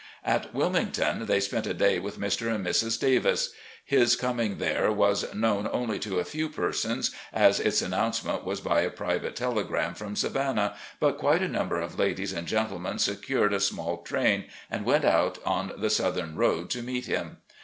At Wilmington they spent a day with Mr. and Mrs. Davis. His coming there was known only to a few persons, as its annoTmcement was by a private telegram from Savannah, but qtiite a ntunber of ladies and gentlemen secured a small train and went out on the Southern Road to meet him.